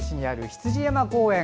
羊山公園。